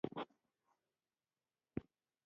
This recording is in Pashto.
د روم ځوړتیا د فیوډالېزم په پایښت تمام شو.